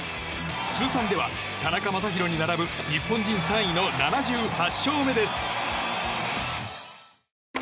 通算では田中将大に並ぶ日本人３位の７８勝目です。